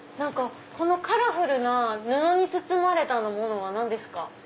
このカラフルな布に包まれたものは何ですか？